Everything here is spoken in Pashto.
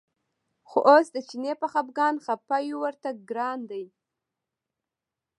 خو اوس د چیني په خپګان خپه یو ورته ګران دی.